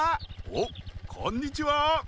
おっこんにちは！